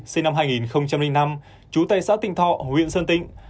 sinh năm hai nghìn năm trú tại xã tịnh thọ huyện sơn tịnh